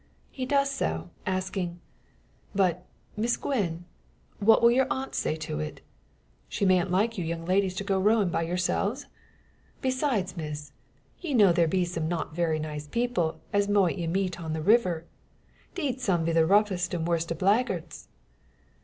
He does so, asking: "But, Miss Gwen; what will your aunt say to it? She mayent like you young ladies to go rowin' by yourselves? Besides, Miss, ye know there be some not werry nice people as moat meet ye on the river. 'Deed some v' the roughest and worst o' blaggarts."